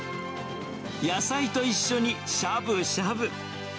野菜と一緒にしゃぶしゃぶ。